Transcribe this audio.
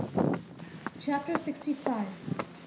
CHAPTER SIXTY FIVE.